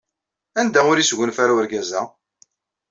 Anda ur isgunfa ara wergaz-a?